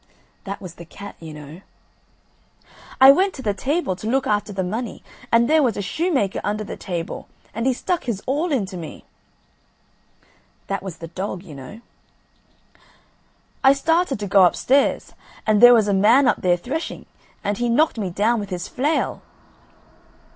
That was the cat, you know. "I went to the table to look after the money and there was a shoemaker under the table, and he stuck his awl into me." That was the dog, you know. "I started to go upstairs, and there was a man up there threshing, and he knocked me down with his flail."